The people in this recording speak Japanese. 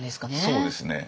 そうですね。